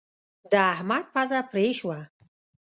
د احمد پزه پرې شوه.